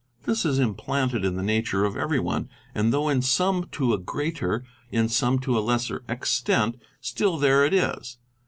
This is implanted in the nature of every one, and though in some to a greater, in some to a lesser extent, still there it is.